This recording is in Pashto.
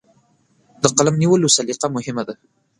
د قلم نیولو سلیقه مهمه ده.